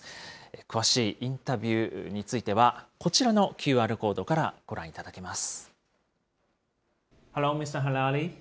詳しいインタビューについては、こちらのＱＲコードからご覧いただけます。